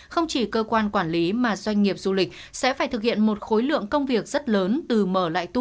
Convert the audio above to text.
không chỉ cơ quan quản lý mà doanh nghiệp du lịch sẽ phải thực hiện một khối lượng công việc rất lớn từ mở lại tour